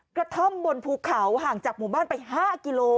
กระท่อมบนภูเขาห่างจากหมู่บ้านไป๕กิโล